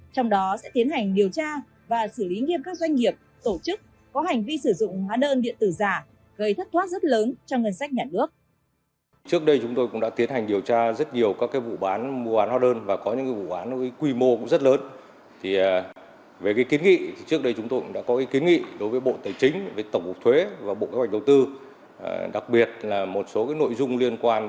trong đó sẽ tiến hành điều tra và xử lý nghiêm các doanh nghiệp tổ chức có hành vi sử dụng hóa đơn điện tử giả